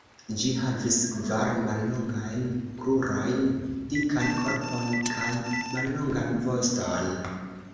Ĝi havis kvar mallongajn krurojn, dikan korpon, kaj mallongan voston.